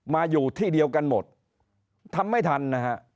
มาอยู่ที่เดียวกันหมดทำไม่ทันนะฮะ